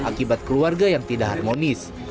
akibat keluarga yang tidak harmonis